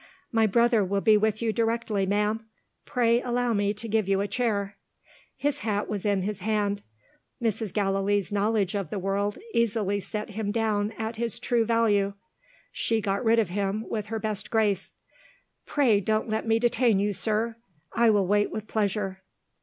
"My brother will be with you directly, ma'am. Pray allow me to give you a chair." His hat was in his hand. Mrs. Gallilee's knowledge of the world easily set him down at his true value. She got rid of him with her best grace. "Pray don't let me detain you, sir; I will wait with pleasure."